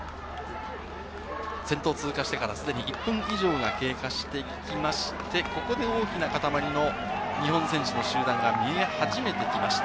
先頭が通過してから１分以上が通過していきまして、ここで大きなかたまりの日本選手の集団が見え始めてきました。